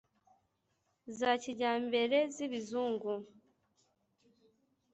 za kijyambere z' ibuzungu